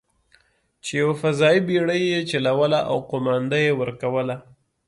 چې یوه فضايي بېړۍ یې چلوله او قومانده یې ورکوله.